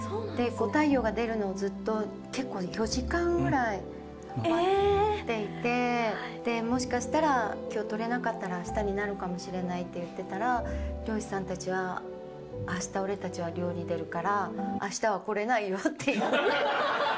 太陽が出るのをずっと結構４時間ぐらい、待っていて、もしかしたら、きょう撮れなかったら、あしたになるかもしれないって言ってたら、漁師さんたちは、あした俺たちは漁に出るから、あしたは来れないよって。